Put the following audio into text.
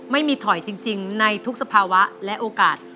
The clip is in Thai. ไม่มีถอยจริงในทุกสภาวะและโอกาส